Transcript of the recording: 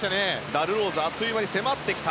ダル・ローズがあっという間に迫りました。